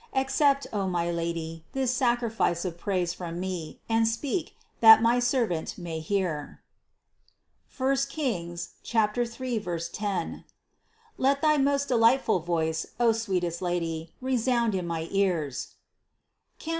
Accept, O my Lady, this sacrifice of praise from me and speak, that my servant may hear (I Reg. 3, 10). Let thy most delightful voice, O sweet est Lady, resound in my ears (Cant.